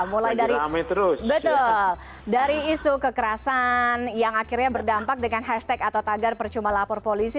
mulai dari isu kekerasan yang akhirnya berdampak dengan hashtag atau tagar percuma lapor polisi